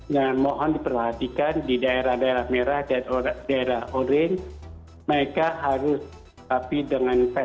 mohon diperhatikan di daerah daerah merah dan daerah orange mereka harus tapi dengan fair